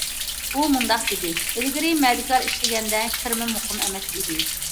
ئۇ مۇنداق دېدى: ئىلگىرى مەدىكار ئىشلىگەندە كىرىمىم مۇقىم ئەمەس ئىدى.